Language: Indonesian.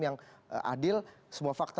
yang adil semua fakta